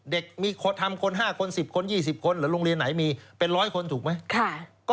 เด็กมีคนทำคน๕คน๑๐คน๒๐คนหรือโรงเรียนไหนมีเป็น๑๐๐คนถูกไหม